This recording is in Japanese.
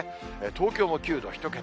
東京も９度、１桁。